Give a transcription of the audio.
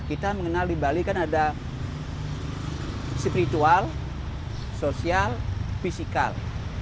kita mengenal di bali kan ada spiritual sosial fisikal